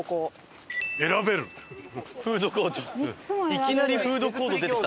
いきなりフードコート出てきた。